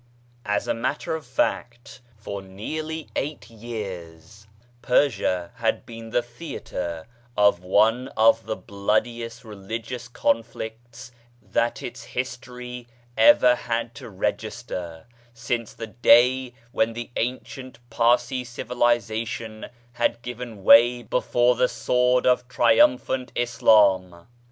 As a matter of fact, for nearly eight years Persia had been the theatre of one of the bloodiest religious conflicts that its history ever had to register since the day when the ancient Parsee civilisation had given way before the sword of tri umphant Islam.